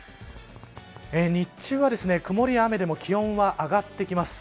日中は曇りや雨でも気温は上がってきます。